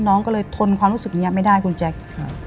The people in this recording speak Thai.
น้องก็เลยทนความรู้สึกนี้ไม่ได้คุณแจ๊ค